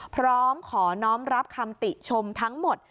พร้อมขอน้องรับคำติชมทั้งหมด